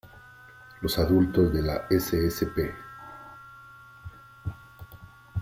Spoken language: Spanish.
Los adultos de la ssp.